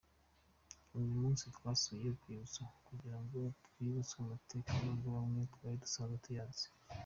Uyu munsi twasuye urwibutso, kugirango twibutswe amateka n’ubwo bamwe twari dusanzwe tuyazi.